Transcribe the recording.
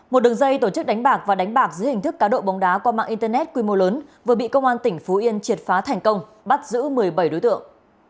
một đường dây tổ chức đánh bạc và đánh bạc dưới hình thức cá độ bóng đá qua mạng internet quy mô lớn vừa bị công an tỉnh phú yên triệt phá thành công bắt giữ một mươi bảy đối tượng